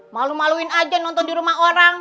malu maluin aja nonton di rumah orang